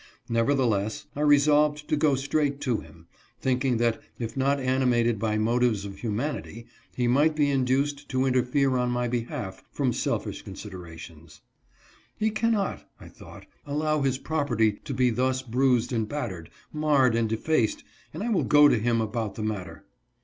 Nevertheless, I resolved to go straight to him, thinking that, if not ani mated by motives of humanity, he might be induced to interfere on my behalf from selfish considerations. "He cannot," I thought, "allow his property to be thus bruised and battered, marred and defaced, and I will go to him about the matter."